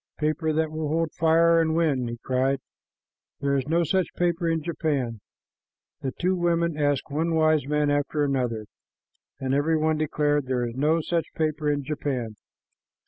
"Paper that will hold fire and wind!" he cried. "There is no such paper in Japan." The two women asked one wise man after another, and every one declared, "There is no such paper in Japan."